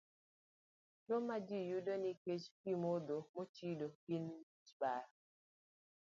Tuwo ma ji yudo nikech pi modho mochido gin: A. wich bar